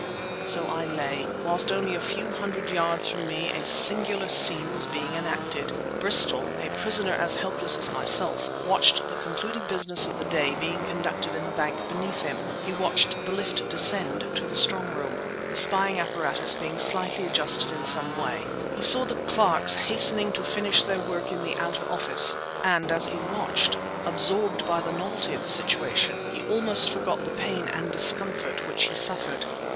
So I lay, whilst only a few hundred yards from me a singular scene was being enacted. Bristol, a prisoner as helpless as myself, watched the concluding business of the day being conducted in the bank beneath him; he watched the lift descend to the strongroom—the spying apparatus being slightly adjusted in some way; he saw the clerks hastening to finish their work in the outer office, and as he watched, absorbed by the novelty of the situation, he almost forgot the pain and discomfort which he suffered...